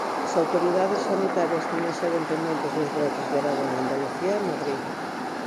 As autoridades sanitarias tamén seguen pendentes dos brotes de Aragón, Andalucía e Madrid.